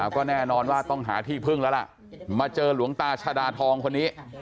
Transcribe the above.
ก็แน่นอนว่าต้องหาที่พึ่งแล้วล่ะมาเจอหลวงตาชาดาทองคนนี้